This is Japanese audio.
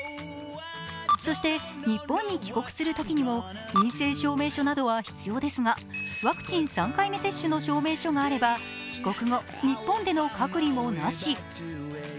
そして日本に帰国するときにも陰性証明書などは必要ですがワクチン３回目接種の証明書があれば帰国後、日本での隔離もなし。